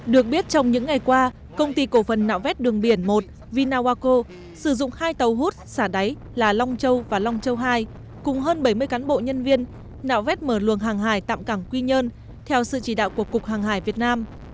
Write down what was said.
được biết trong những ngày qua công ty cổ phần nạo vét đường biển một vinawako sử dụng hai tàu hút xả đáy là long châu và long châu hai cùng hơn bảy mươi cán bộ nhân viên nạo vét mở luồng hàng hải tạm cảng quy nhơn theo sự chỉ đạo của cục hàng hải việt nam